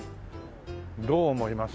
どう思います？